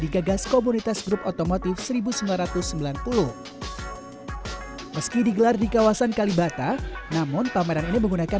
digagas komunitas grup otomotif seribu sembilan ratus sembilan puluh meski digelar di kawasan kalibata namun pameran ini menggunakan